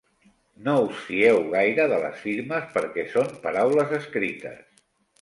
No us fieu gaire de les firmes perquè són paraules escrites